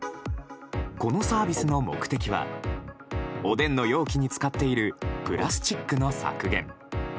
このサービスの目的はおでんの容器に使っているプラスチックの削減。